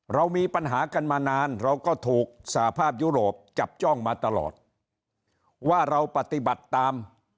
เรามีปัญหากันมานานเราก็ถูกสหภาพยุโรปจับจ้องมาตลอดว่าเราปฏิบัติตาม